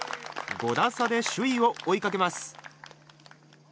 ５打差で首位を追いかけます。